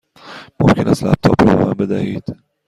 ممکن است لپ تاپ را به من بدهید؟